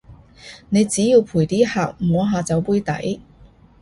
你只要陪啲客摸下酒杯底